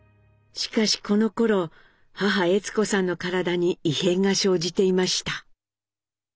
しかしこのころ母・悦子さんの体に異変が生じていました。